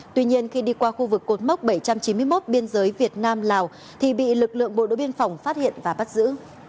tuy nhiên khi đi qua khu vực cột mốc bảy trăm chín mươi một biên giới việt nam lào thì bị lực lượng bộ đội biên phòng phát hiện và bắt giữ